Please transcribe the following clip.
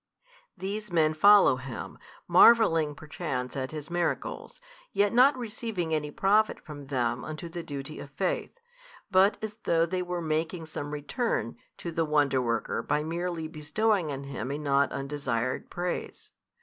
These men follow Him, marvelling perchance at His miracles, yet not receiving any profit from them unto the duty of faith, but as though they were making some return to the Wonder worker by merely bestowing on Him a not undesired praise.